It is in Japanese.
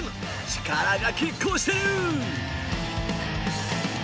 力がきっ抗している。